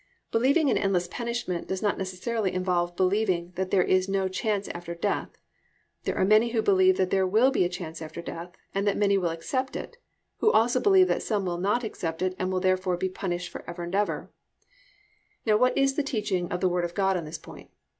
Believing in endless punishment does not necessarily involve believing that there is no chance after death. There are many who believe that there will be a chance after death, and that many will accept it, who also believe that some will not accept it and will therefore be punished for ever and ever. Now what is the teaching of the Word of God on this point?